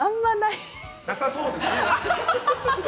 なさそうですね。